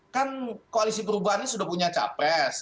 kan koalisi perubahan ini sudah punya capres